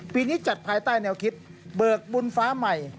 ปีนี้จัดภายใต้แนวคิดเบิกบุญฟ้าใหม่